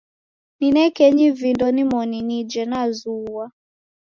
Ninekenyi vindo nimoni nije nazughwa.